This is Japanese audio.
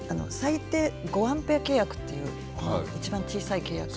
５アンペア契約といういちばん小さい契約で。